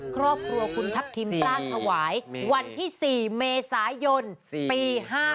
ครอบครัวคุณทัพทิมสร้างถวายวันที่๔เมษายนปี๕๗